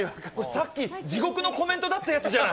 さっき地獄のコメントだったやつ。